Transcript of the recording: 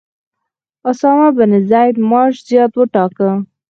اسامه بن زید معاش زیات وټاکه.